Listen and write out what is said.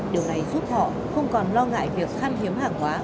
điều này giúp họ không còn lo ngại việc khăn hiếm hàng hóa